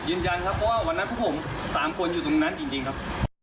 ยืนยันครับเพราะว่าวันนั้นพวกผม๓คนอยู่ตรงนั้นจริงครับ